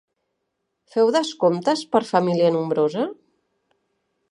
Feu descomptes per família nombrosa?